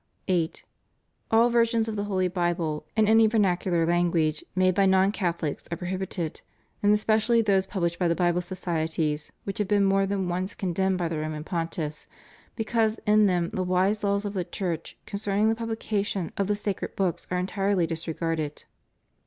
8. All versions of the Holy Bible, in any vernacular language, made by non Cathohcs are prohibited; and especially those pubUshed by the Bible societies, which have been more than once condemned by the Roman Pontiffs, because in them the wise laws of the Church concerning the pubhcation of the sacred books are entirely disregarded.